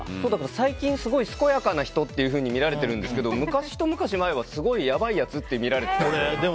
最近すごい健やかな人って見られていますけど昔はすごいやばいやつって見られていたんです。